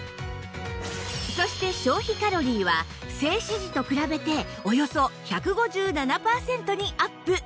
そして消費カロリーは静止時と比べておよそ１５７パーセントにアップ